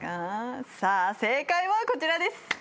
さあ正解はこちらです。